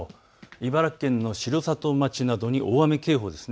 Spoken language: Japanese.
茨城県の城里町などに大雨警報です。